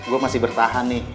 gue masih bertahan nih